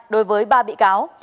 đối với ba bị cáo